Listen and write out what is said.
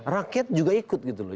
rakyat juga ikut gitu loh